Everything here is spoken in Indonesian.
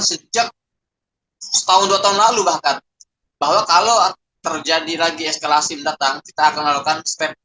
sejak setahun dua tahun lalu bahkan bahwa kalau terjadi lagi eskalasi mendatang kita akan melakukan step